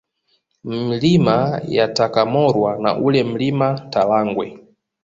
Milima ya Takamorwa na ule Mlima Talagwe